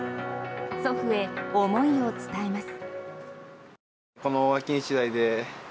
祖父へ思いを伝えます。